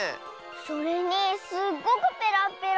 それにすっごくペラッペラ。